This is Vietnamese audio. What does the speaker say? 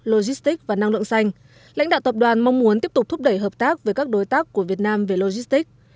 logistics và năng lượng xanh lãnh đạo tập đoàn mong muốn tiếp tục thúc đẩy hợp tác với các đối tác của việt nam về logistics